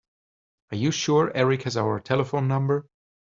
Are you sure Erik has our telephone number?